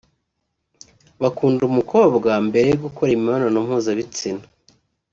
bakunda umukobwa mbere yo gukorana imibonano mpuzabitsina